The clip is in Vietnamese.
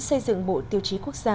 xây dựng bộ tiêu chí quốc gia